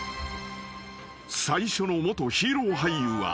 ［最初の元ヒーロー俳優は］